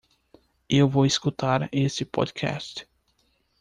Eu vou escutar esse podcast.